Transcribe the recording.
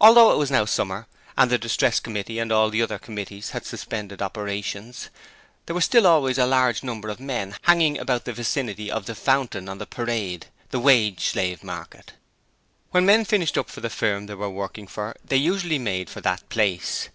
Although it was now summer, and the Distress Committee and all the other committees had suspended operations, there was still always a large number of men hanging about the vicinity of the Fountain on the Parade The Wage Slave Market. When men finished up for the firm they were working for they usually made for that place.